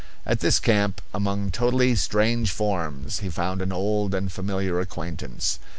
At this camp, among totally strange forms, he found an old and familiar acquaintance.